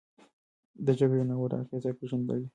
ده د جګړې ناوړه اغېزې پېژندلې.